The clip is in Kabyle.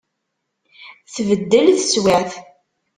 Tbeddel teswiεt.